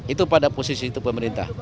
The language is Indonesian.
itu pada posisi itu pemerintah